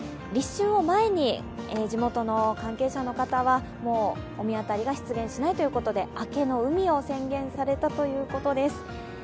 立春を前に地元の関係者の方は出現しないということで明けの海を宣言されたということです。